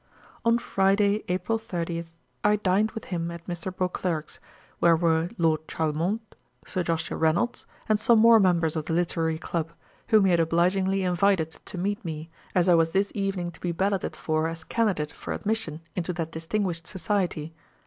On Friday, April 30, I dined with him at Mr. Beauclerk's, where were Lord Charlemont, Sir Joshua Reynolds, and some more members of the LITERARY CLUB, whom he had obligingly invited to meet me, as I was this evening to be balloted for as candidate for admission into that distinguished society.